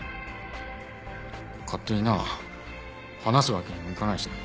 勝手にな話すわけにもいかないしな。